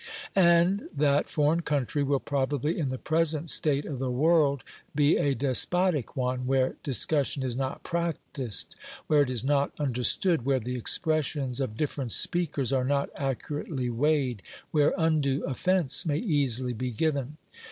And that foreign country will, probably, in the present state of the world be a despotic one, where discussion is not practised, where it is not understood, where the expressions of different speakers are not accurately weighed, where undue offence may easily be given."